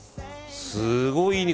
すごい、いい肉。